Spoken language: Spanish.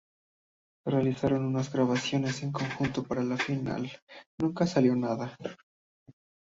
Realizaron unas grabaciones en conjunto, pero al final nunca salió nada.